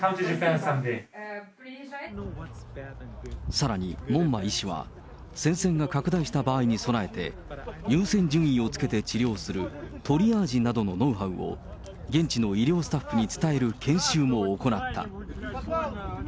さらに、門馬医師は、戦線が拡大した場合に備えて、優先順位をつけて治療する、トリアージなどのノウハウを、現地の医療スタッフに伝える研修も行った。